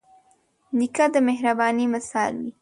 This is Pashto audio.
نیکه د مهربانۍ مثال وي.